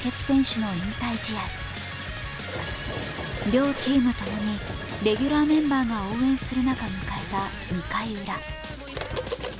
両チームともにレギュラーメンバーが応援する中迎えた２回ウラ。